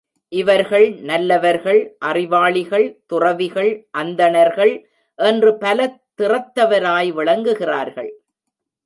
இவர்கள் நல்லவர்கள், அறிவாளிகள், துறவிகள், அந்தணர்கள் என்று பல திறத்தவராய் விளங்குகிறார்கள்.